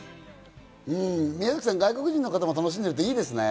宮崎さん、外国人の方も楽しんでいるって、いいですね。